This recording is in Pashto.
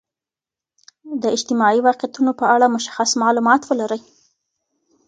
د اجتماعي واقعیتونو په اړه مشخص معلومات ولرئ.